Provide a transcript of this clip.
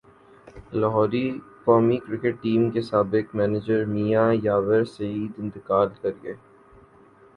لاہورقومی cricket team کے سابق manager Mian یاور سعید انتقال کرگئے